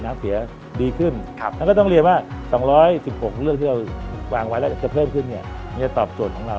นับเศียดีขึ้นและก็ต้องเรียนว่า๒๑๖เลือกที่วางไว้แล้วจะเพิ่มขึ้นนี่จะตอบโจทย์ของเรา